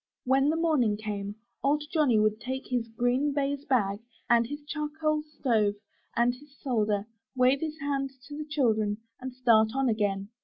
When the morning came. Old Johnny would take his green baize bag, and his charcoal stove and his solder, wave his hand to the children, and start on again.